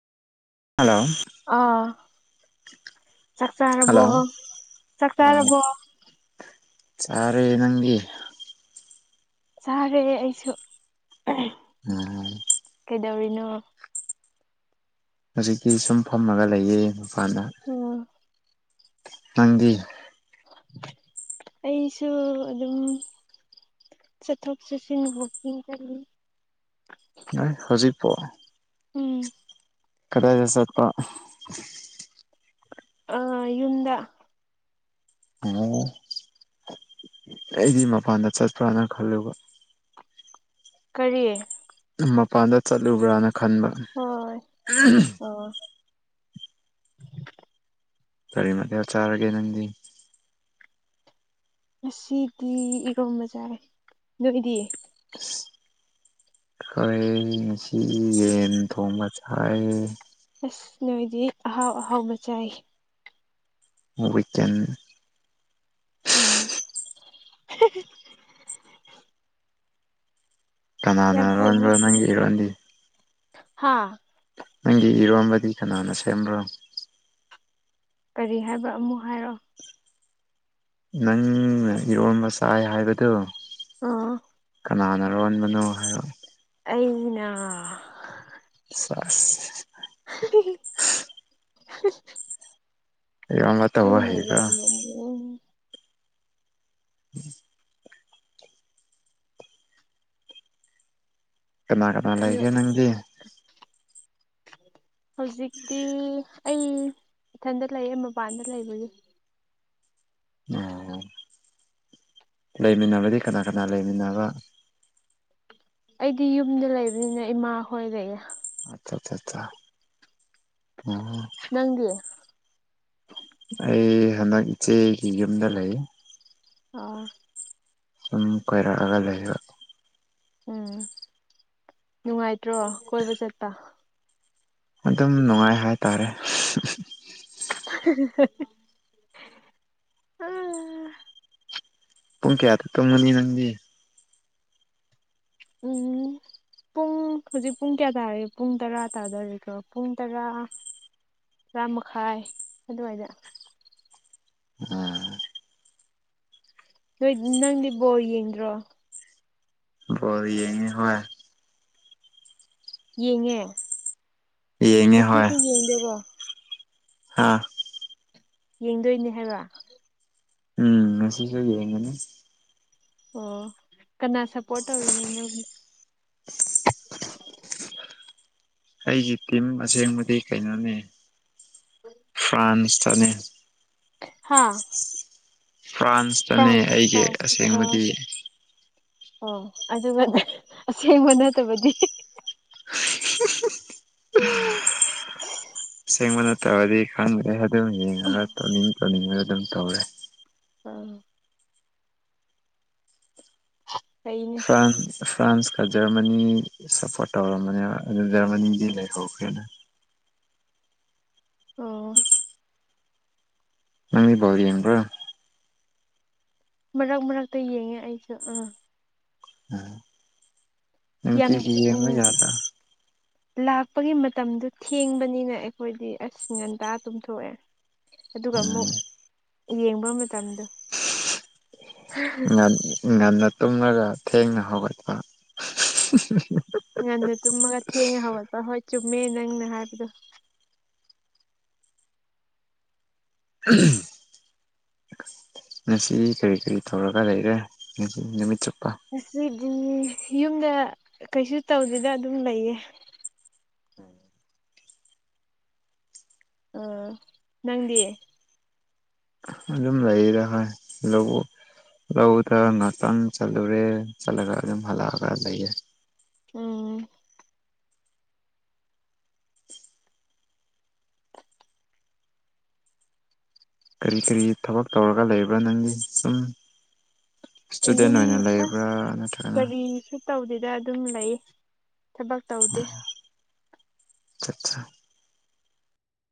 hello ꯑꯥ ꯆꯥꯛ ꯆꯥꯔꯕꯣ ꯍꯜꯂꯣ ꯆꯥꯛ ꯑꯥ ꯆꯥꯔꯕꯣ ꯆꯥꯔꯦ ꯅꯪꯒꯤ ꯆꯥꯈꯦ ꯑꯩꯁꯨ ꯎꯝ ꯀꯩꯗꯧꯔꯤꯅꯣ ꯍꯧꯖꯤꯛꯇꯤ ꯁꯨꯝ ꯐꯝꯃꯒ ꯂꯩꯌꯦ ꯃꯄꯥꯟꯗ ꯎꯝ ꯇꯪꯒꯤ ꯑꯩꯁꯨ ꯑꯗꯨꯝ ꯆꯊꯣꯛ ꯁꯤꯁꯤꯟ ꯍ ꯀꯅꯤ ꯅꯣꯏ ꯍꯖꯤ ꯄꯣ ꯎꯝ ꯀꯗꯥꯗ ꯆꫪ ꯌꯨꯝꯗ ꯑꯣ ꯑꯩꯗꯤ ꯃꯄꯥꯟꯗ ꯆꯠꯄ꯭ꯔꯥꯅ ꯈꯜꯂꯕ ꯀꯔꯤ ꯃꯄꯥꯟꯗ ꯆꯠꯂꯨꯕ꯭ꯔꯅ ꯈꯟꯕ ꯍꯣꯏ ꯑꯣ ꯀꯔꯤ ꯃꯇꯦꯜ ꯆꯥꯔꯒꯦ ꯅꯪꯗꯤ ꯉꯁꯤꯗꯤ ꯏꯔꯣꯝꯕꯖꯥꯏ ꯅꯣꯏꯗꯤ [unintelligible] ꯑꯩꯣꯏꯁꯤ ꯌꯦꯟ ꯊꯣꯡꯕ ꯆꯥꯏ ꯑꯁ ꯅꯣꯏꯗꯤ ꯑꯍꯥꯎ ꯑꯍꯥꯎꯕ ꯆꯥꯏ ꯕꯤꯀꯦꯟ ꯑ ꯀꯅꯥꯅ ꯌꯥꯝ ꯐꯩꯅꯦ ꯂꯣꯟꯕ꯭ꯔꯣ ꯅꯪꯒꯤ ꯏꯔꯣꯟꯗꯤ ꯍꯥꯥ ꯅꯪꯒꯤ ꯏꯔꯣꯟꯝꯕꯗꯤ ꯀꯅꯥꯅ ꯁꯦꯝꯕ꯭ꯔꯣ ꯀꯔꯤ ꯍꯥꯏꯕ ꯑꯃꯨꯛ ꯍꯥꯏꯔꯛꯑꯣ ꯅꯪꯅ ꯏꯔꯣꯟꯕ ꯆꯥꯏ ꯍꯥꯏꯕꯗꯨ ꯑꯥ ꯀꯅꯥꯅꯂꯣꯟꯕꯅꯣ ꯍꯥꯏꯔꯣ ꯑꯩꯅ [unintelligible] [unintelligible] [unintelligible] ꯑꯅꯩꯅ ꯍꯩꯕ꯭ꯔꯥ ꯂꯣꯜꯂꯦ ꯑꯩ [inaudible] ꯀꯅꯥ ꯀꯅꯥ ꯂꯩꯒꯦ ꯅꯪꯗꯤ ꯍꯧꯖꯤꯛꯇꯤ ꯑꯩ ꯏꯊꯟꯗ ꯂꯩꯌꯦ ꯃꯄꯥꯟꯗ ꯂꯩꯕꯒꯤ ꯑꯣ ꯂꯩꯃꯤꯟꯅꯕꯗꯤ ꯀꯅꯥ ꯀꯅꯥ ꯂꯩꯃꯤꯟꯅꯕ ꯑꯩꯗꯤ ꯌꯨꯝꯗ ꯂꯩꯕꯅꯤꯅ ꯏꯃꯥ ꯍꯣꯏ ꯂꯩꯅ ꯑꯆꯥ ꯆꯥ ꯆꯥ ꯎꯝ ꯅꯪꯗꯤ ꯑꯩ ꯍꯟꯗꯛ ꯏꯆꯦꯒꯤ ꯌꯨꯝꯗ ꯂꯩ ꯑꯣ ꯁꯨꯝ ꯀꯣꯏꯔꯛꯑꯒ ꯂꯩꯕ ꯎꯝ ꯅꯨꯡꯉꯥꯏꯇ꯭ꯔꯣ ꯀꯣꯏꯕ ꯆꯠꯄ ꯑꯗꯨꯝ ꯅꯨꯡꯉꯥꯏ ꯍꯥꯏꯇꯥꯔꯦ [unintelligible] ꯄꯨꯡ ꯀꯌꯥꯗ ꯇꯨꯝꯒꯅꯤ ꯅꯪꯗꯤ ꯄꯨꯡ ꯄꯨꯡ ꯍꯧꯖꯤꯛ ꯄꯨꯡ ꯀꯌꯥ ꯇꯥꯔꯦ ꯄꯨꯡ ꯇꯔꯥ ꯇꯥꯗꯧꯔꯦꯀꯣ ꯄꯨꯡ ꯇꯔꯥ ꯇꯔꯥ ꯃꯈꯥꯏ ꯑꯗꯨꯋꯥꯏꯗ ꯎꯝ ꯅꯣꯏ ꯅꯪꯗꯤ ꯕꯣꯜ ꯌꯦꯡꯗ꯭ꯔꯣ ꯕꯣꯜ ꯌꯦꯡꯉꯦ ꯍꯣꯏ ꯌꯦꯡꯉꯦ ꯌꯦꯡꯉꯦ ꯉꯁꯤꯁꯨ ꯌꯦꯡꯗꯣꯏꯔꯣ ꯑꯥ ꯌꯦꯡꯗꯣꯏꯅꯦ ꯍꯥꯏꯕ ꯎꯝ ꯉꯁꯤꯁꯨ ꯌꯦꯡꯒꯅꯤ ꯑꯣ ꯀꯅꯥ ꯁꯞꯄꯣꯔꯠ ꯇꯧꯔꯤꯅꯣ ꯅꯣꯏꯕꯣ ꯑꯩꯒꯤ ꯇꯤꯝ ꯑꯁꯦꯡꯕꯗꯤ ꯀꯩꯅꯣꯅꯤ ꯐ꯭ꯔꯥꯟꯁꯇꯅꯦ ꯍꯥꯥ ꯐ꯭ꯔꯥꯟꯁꯇꯅꯦ ꯑꯩꯒꯤ ꯐ꯭ꯔꯥꯟꯁ ꯑꯣ ꯑꯁꯦꯡꯕꯗꯤ ꯑꯣ ꯑꯗꯨꯒ ꯑꯁꯦꯡꯕ ꯅꯠꯇꯕꯗꯤ [unintelligible] ꯁꯦꯡꯕ ꯅꯠꯇꯕꯗꯤ ꯈꯪꯗ꯭ꯔꯦ ꯑꯗꯨꯝ ꯌꯦꯡꯉꯒ ꯇꯧꯅꯤꯡ ꯇꯧꯅꯤꯡꯉꯒ ꯑꯗꯨꯝ ꯇꯧꯔꯦ ꯎꯝ [unintelligible] ꯐꯩꯅꯦ ꯐ꯭ꯔꯥꯟ ꯐ꯭ꯔꯥꯟꯁꯀ ꯖꯔꯃꯅꯤ ꯁꯞꯄꯣꯔꯠ ꯇꯧꯔꯝꯕꯅꯦꯕ ꯑꯗꯨ ꯖꯔꯃꯅꯤꯗꯤ ꯂꯩꯍꯧꯈ꯭ꯔꯦꯅ ꯑꯣ ꯅꯪꯗꯤ ꯕꯣꯜ ꯌꯦꯡꯕ꯭ꯔꯥ ꯃꯔꯛ ꯃꯔꯛꯇ ꯌꯦꯡꯉꯦ ꯑꯩꯁꯨ ꯑꯥ ꯎꯝ ꯌꯥꯝ ꯅꯨꯡꯇꯤꯒꯤ ꯌꯦꯡꯕ ꯎꯝ [unintelligible] ꯂꯥꯛꯄꯒꯤ ꯃꯇꯝꯗꯣ ꯊꯦꯡꯕꯅꯤꯅ ꯑꯩꯈꯣꯏꯗꯤ ꯑꯁ ꯉꯟꯇꯥ ꯇꯨꯝꯊꯣꯛꯑꯦ ꯑꯗꯨꯒ ꯎꯝ ꯑꯃꯨꯛ ꯌꯦꯡꯕ ꯃꯇꯝꯗꯣ ꯉꯟ ꯉꯟꯅ ꯇꯨꯝꯔꯒ ꯊꯦꯡꯅ ꯍꯧꯒꯠꯄ [unintelligible] ꯉꯟꯅ ꯇꯨꯝꯃꯒ ꯊꯦꯡꯅ ꯍꯧꯒꯠꯄ ꯍꯣꯏ ꯆꯨꯝꯃꯦ ꯅꯪꯅ ꯍꯥꯏꯕꯗꯣ ꯎꯝ ꯉꯁꯤ ꯀꯔꯤ ꯀꯔꯤ ꯇꯧꯔꯒ ꯂꯩꯔꯦ ꯉꯁꯤ ꯅꯨꯃꯤꯠ ꯆꯨꯞꯄ ꯉꯁꯤꯗꯤ ꯌꯨꯝꯗ ꯀꯩꯁꯨ ꯇꯧꯗꯦꯗ ꯑꯗꯨꯝ ꯂꯩꯌꯦ ꯑꯥ ꯅꯪꯗꯤ ꯑꯗꯨꯝ ꯂꯩꯔꯦ ꯍꯣꯏ ꯑꯗꯨꯕꯨ ꯂꯧꯗ ꯉꯥꯛꯇꯪ ꯆꯠꯂꯨꯔꯦ ꯆꯠꯂꯒ ꯑꯗꯨꯝ ꯍꯜꯂꯛꯑꯒ ꯂꯩꯌꯦ ꯎꯝ ꯀꯔꯤ ꯀꯔꯤ ꯊꯕꯛ ꯇꯧꯔꯒ ꯂꯩꯕ꯭ꯔꯥ ꯅꯪꯗꯤ ꯁꯨꯝ ꯏꯁꯇꯨꯗꯦꯟ ꯌꯨꯝ ꯑꯣꯏꯅ ꯂꯩꯕ꯭ꯔꯥ ꯑꯁ ꯅꯠꯇ꯭ꯔꯅ ꯀꯔꯤꯁꯨ ꯇꯧꯗꯦꯗ ꯑꯗꯨꯝ ꯂꯩ ꯊꯕꯛ ꯇꯧꯗꯦ ꯆꯠꯆꯥ